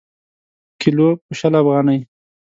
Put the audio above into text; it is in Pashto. کیلـو په شل افغانۍ.